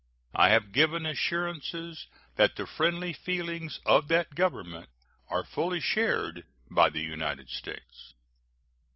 I have given assurances that the friendly feelings of that Government are fully shared by the United States.